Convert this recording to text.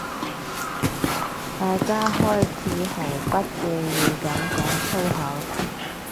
大家開始毫不忌諱噉講粗口